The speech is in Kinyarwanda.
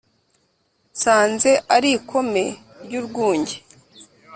nsanze ari ikome ry’urwunge,